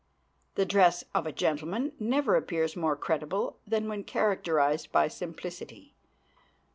The dress of a gentleman never appears more creditable than when characterized by simplicity.